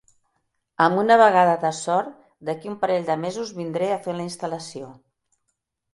Amb una vegada de sort, d'aquí a un parell de mesos vindré a fer la instal·lació.